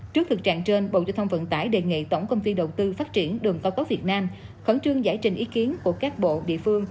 trước thực trạng trên bộ giao thông vận tải đề nghị tổng công ty đầu tư phát triển đường cao tốc việt nam khẩn trương giải trình ý kiến của các bộ địa phương